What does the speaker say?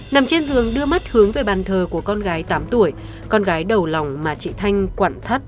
nằm trên giường đưa mắt hướng về bàn thờ của con gái tám tuổi con gái đầu lòng mà chị thanh quản thắt